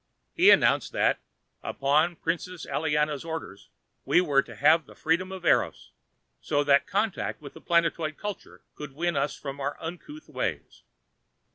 He announced that, upon Princes Aliana's orders, we were to have the freedom of Eros, so that contact with the planetoid culture could win us from our uncouth ways.